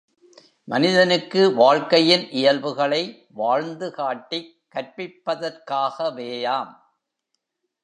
மனிதனுக்கு வாழ்க்கையின் இயல்புகளை வாழ்ந்து காட்டிக் கற்பிப்பதற்காகவேயாம்.!